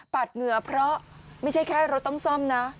เหงื่อเพราะไม่ใช่แค่รถต้องซ่อมนะ